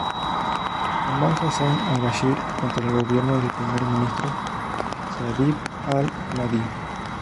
Omar Hassan al-Bashir, contra el gobierno del primer ministro Sadiq al-Mahdi.